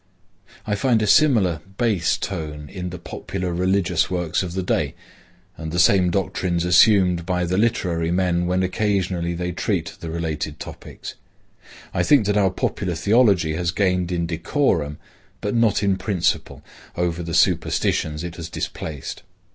I find a similar base tone in the popular religious works of the day and the same doctrines assumed by the literary men when occasionally they treat the related topics. I think that our popular theology has gained in decorum, and not in principle, over the superstitions it has displaced.